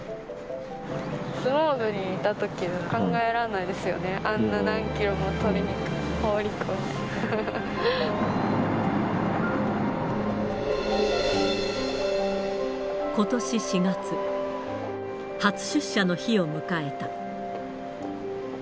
相撲部にいたときは考えらんないですよね、あんな何キロも鶏肉、ことし４月、初出社の日を迎えた。